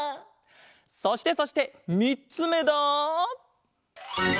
そしてそしてみっつめだ。